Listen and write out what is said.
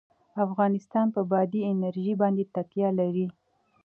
افغانستان په بادي انرژي باندې تکیه لري.